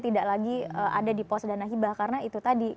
tidak lagi ada di pos dana hibah karena itu tadi